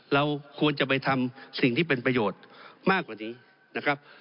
เราควรจะไปทำสิ่งที่เป็นประโยชน์มากกว่านี้นะครับ